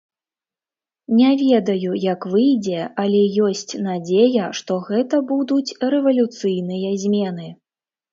Не ведаю, як выйдзе, але ёсць надзея, што гэта будуць рэвалюцыйныя змены.